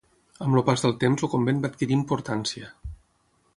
Amb el pas del temps el convent va adquirir importància.